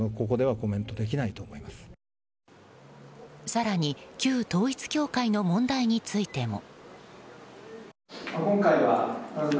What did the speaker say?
更に、旧統一教会の問題についても。